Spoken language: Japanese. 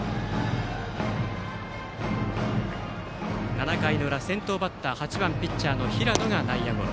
７回の裏、先頭バッター８番ピッチャーの平野が内野ゴロ。